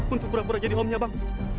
untuk pura pura jadi homenya bang